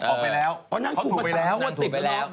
ออกไปแล้วเขาถูกไปแล้ว